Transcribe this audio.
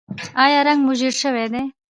ایا رنګ مو ژیړ شوی دی؟